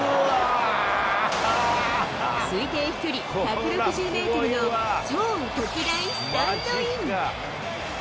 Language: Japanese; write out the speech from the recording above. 推定飛距離１６０メートルの超特大スタンドイン。